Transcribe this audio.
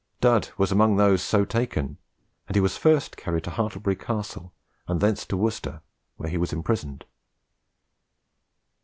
Dud was among those so taken, and he was first carried to Hartlebury Castle and thence to Worcester, where he was imprisoned.